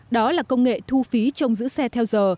đó là công nghệ thu phí trong giữ xe theo giờ